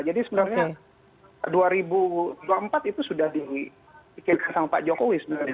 jadi sebenarnya dua ribu dua puluh empat itu sudah diikinkan sama pak jokowi sebenarnya